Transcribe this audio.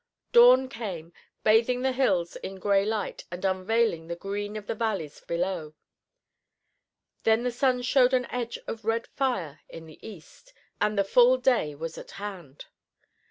Dawn came, bathing the hills in gray light and unveiling the green of the valleys below. Then the sun showed an edge of red fire in the east, and the full day was at hand.